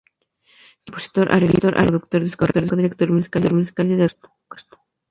Quintero es compositor, arreglista, productor discográfico, director musical y director de orquesta.